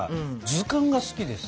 図鑑が好きでさ。